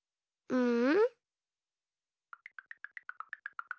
うん。